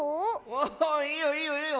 おいいよいいよいいよ！